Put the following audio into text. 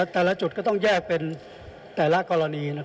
แต่ละจุดก็ต้องแยกเป็นแต่ละกรณี